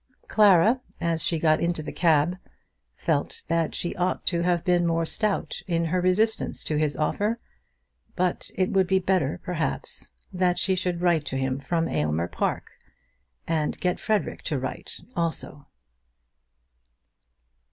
Clara, as she got into the cab, felt that she ought to have been more stout in her resistance to his offer. But it would be better, perhaps, that she should write to him from Aylmer Park, and get Frederic to write also.